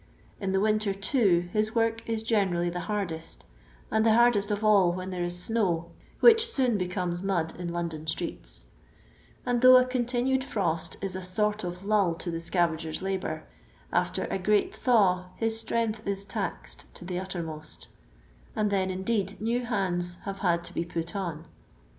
In the win ter, too, his work is generally the hardest, and the hardest of all when there is snow, which soon becomes mud in London streets; and though a continued frost is a sort of lull to the scavagen' labour, after " a great thaw " his strength is taxed to the uttermost; and then, indeed, new hands have had to be put on.